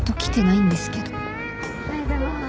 おはようございます。